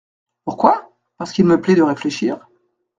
Pourquoi ? Parce qu'il me plaît de réfléchir.